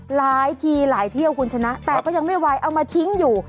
หลายทีหลายเที่ยวคุณชนะแต่ก็ยังไม่ไหวเอามาทิ้งอยู่